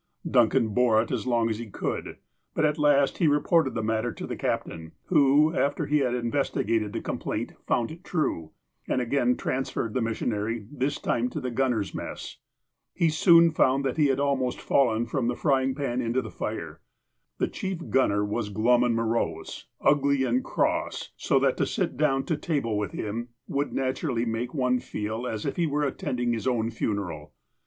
Duncan bore it as long as he could. But at last he re ported the matter to the captain, who, after he had in vestigated the complaint, fouud it true, and again trans ferred the missionary, this time to the gunners' mess. He soon found that he had almost fallen from the fry ing pan into the fire. The chief gunner was glum and morose, ugly and cross, so that to sit down to table with him would naturally make any one feel as if he were attending his own funeral.